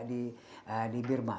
seperti di birma